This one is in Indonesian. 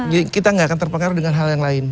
jadi kita tidak akan terpengaruh dengan hal yang lain